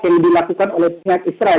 yang dilakukan oleh pihak israel